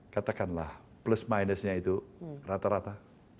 katakanlah plus minusnya itu rata rata